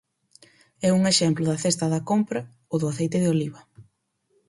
E un exemplo da cesta da compra: o do aceite de oliva.